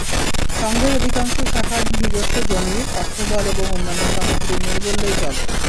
সংঘের অধিকাংশ শাখার নিজস্ব জমি, অর্থবল এবং অন্যান্য সামগ্রী নেই বললেই চলে।